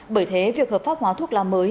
bởi thế việc hợp pháp hóa thuốc lá mới